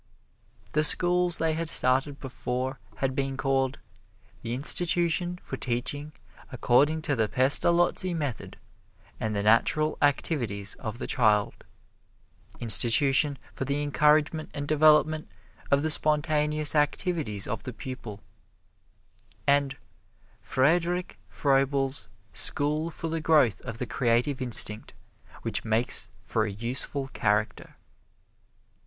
The schools they had started before had been called, "The Institution for Teaching According to the Pestalozzi Method and the Natural Activities of the Child," "Institution for the Encouragement and Development of the Spontaneous Activities of the Pupil," and "Friedrich Froebel's School for the Growth of the Creative Instinct Which Makes for a Useful Character."